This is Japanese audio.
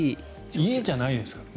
家じゃないですからね。